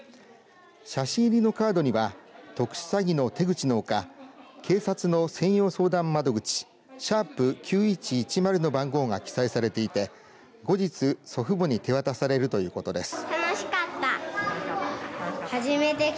写真入りのカードには特殊詐欺の手口のほか警察の相談専用窓口＃９１１０の番号が記載されていて後日、祖父母に手渡されるということです。